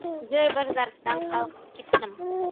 Zo‘r bir zarbdan qalqib ketdim.